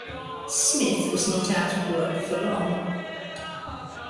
Smith was not out of work for long.